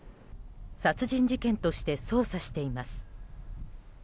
殺人事件として捜査しています。